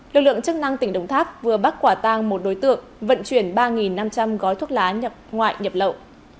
lực lượng chức năng tỉnh đồng tháp vừa bắt quả tang một đối tượng vận chuyển ba năm trăm linh gói thuốc lá ngoại nhập lậu